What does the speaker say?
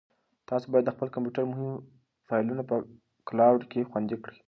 تاسو باید د خپل کمپیوټر مهم فایلونه په کلاوډ کې خوندي کړئ.